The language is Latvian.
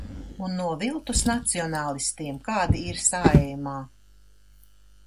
Un no viltus nacionālistiem, kādi ir Saeimā!